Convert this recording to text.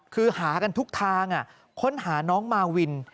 คือหากันทุกทางค้นหาน้องมาวิน